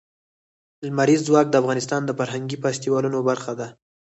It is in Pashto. لمریز ځواک د افغانستان د فرهنګي فستیوالونو برخه ده.